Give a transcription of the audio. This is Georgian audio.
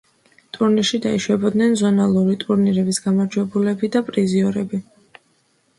ტურნირში დაიშვებოდნენ ზონალური ტურნირების გამარჯვებულები და პრიზიორები.